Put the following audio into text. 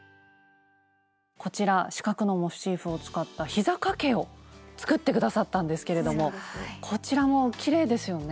こちら四角のモチーフを使ったひざかけを作って下さったんですけれどもこちらもきれいですよね。